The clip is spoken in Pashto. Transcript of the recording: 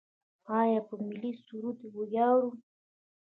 آیا په ملي سرود ویاړو؟